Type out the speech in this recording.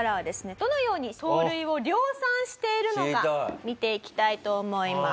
どのように盗塁を量産しているのか見ていきたいと思います。